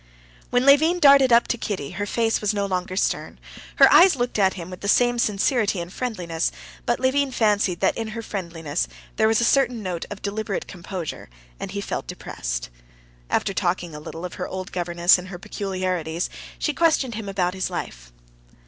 When Levin darted up to Kitty her face was no longer stern; her eyes looked at him with the same sincerity and friendliness, but Levin fancied that in her friendliness there was a certain note of deliberate composure. And he felt depressed. After talking a little of her old governess and her peculiarities, she questioned him about his life.